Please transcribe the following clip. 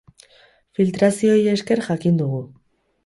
Filtrazioei esker jakin dugu.